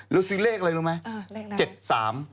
แล้วซื้อเลขเลยรู้ไหม๗๓